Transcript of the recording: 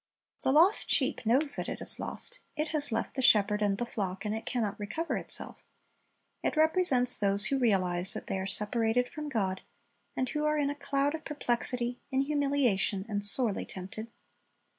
The lost sheep knows that it is lost. It has left the shepherd and the flock, and it can not recover itself It represents those who realize that they are separated from God, and who are in a cloud of perplexity, in humiliation, and sorely tempted.